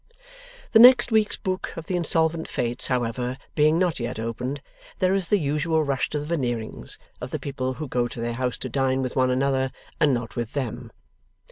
The next week's books of the Insolvent Fates, however, being not yet opened, there is the usual rush to the Veneerings, of the people who go to their house to dine with one another and not with them.